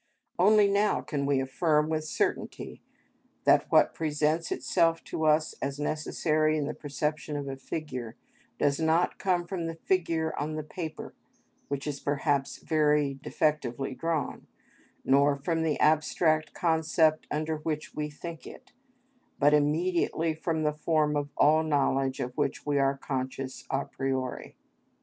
Only now can we affirm with certainty that what presents itself to us as necessary in the perception of a figure, does not come from the figure on the paper, which is perhaps very defectively drawn, nor from the abstract concept under which we think it, but immediately from the form of all knowledge of which we are conscious a priori.